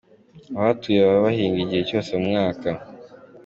Abahatuye bakaba bahinga igihe cyose mu mwaka.